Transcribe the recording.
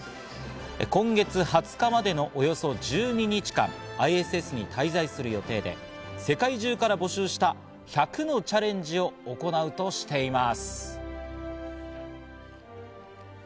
今月２０日までのおよそ１２日間、ＩＳＳに滞在する予定で、世界中から募集した１００のチャレンジを行うとしています。